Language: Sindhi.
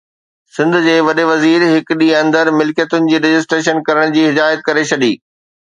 سنڌ جي وڏي وزير هڪ ڏينهن اندر ملڪيتن جي رجسٽريشن ڪرڻ جي هدايت ڪري ڇڏي